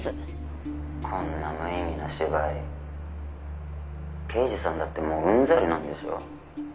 「こんな無意味な芝居刑事さんだってもううんざりなんでしょ？」